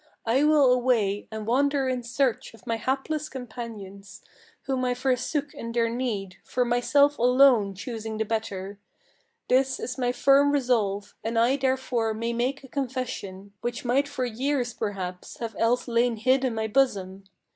I will away, and wander in search of my hapless companions, Whom I forsook in their need; for myself alone choosing the better. This is my firm resolve, and I therefore may make a confession Which might for years perhaps have else lain hid in my bosom.